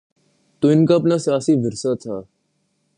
تو ان کا اپنا سیاسی ورثہ تھا۔